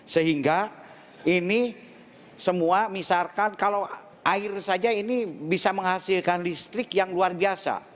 sehingga ini semua misalkan kalau air saja ini bisa menghasilkan listrik yang luar biasa